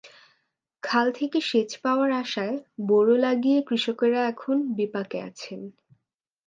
খাল থেকে সেচ পাওয়ার আশায় বোরো লাগিয়ে কৃষকেরা এখন বিপাকে আছেন।